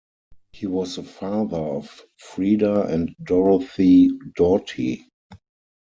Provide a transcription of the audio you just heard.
He was the father of Freda and Dorothy Doughty.